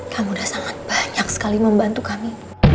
kamu sudah sangat banyak sekali membantu kami